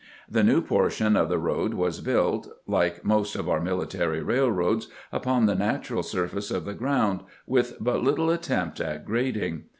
The new portion of the road was built, like most of our military railroads, upon the natural surface of the ground, with but little at tempt at grading.